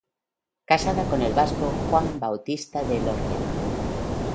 Casada con el vasco Juan Bautista de Elorriaga.